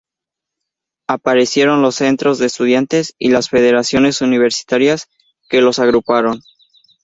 Aparecieron los centros de estudiantes y las federaciones universitarias que los agruparon.